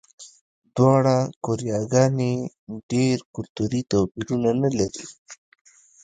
دواړه کوریاګانې ډېر کلتوري توپیرونه نه لري.